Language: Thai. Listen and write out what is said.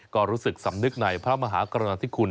ก็รู้สึกสำนึกในพระมหากรณาธิคุณ